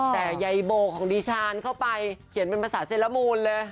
แต่ยายโบของดิฉันเข้าไปเขียนเป็นภาษาเซลมูลเลย